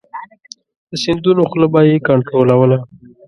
د سیندونو خوله به یې کنترولوله.